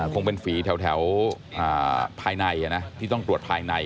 คงเป็นฝีแถวภายในที่ต้องตรวจภายใน